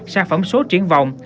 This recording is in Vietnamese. sản phẩm số triển vọng